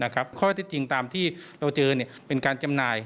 ข้อเท็จจริงตามที่เราเจอเป็นการจำหน่าย